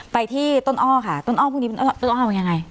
ไปที่ต้นอ้อค่ะต้นอ้อพวกนี้มันต้องเอายังไง